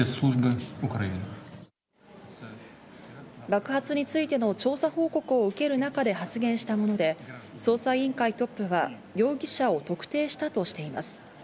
爆発についての調査報告を受ける中で発言したもので、捜査委員会トップは容疑者を特定したとしています。